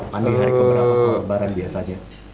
hari keberapa selama lebaran biasanya